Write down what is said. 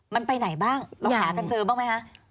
มันไปไหนบ้างหากันเจอบ้างไหมคะ